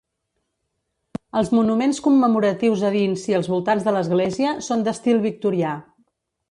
Els monuments commemoratius a dins i als voltants de l'església són d'estil victorià.